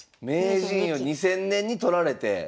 名人を２０００年に取られて。